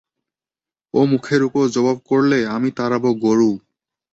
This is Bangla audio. ও মুখের উপর জবাব করলে, আমি তাড়াব গোরু!